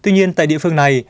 tuy nhiên tại địa phương này